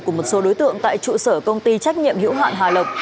của một số đối tượng tại trụ sở công ty trách nhiệm hữu hạn hà lộc